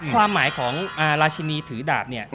ความหมายของราชินีถือดาบเนี่ย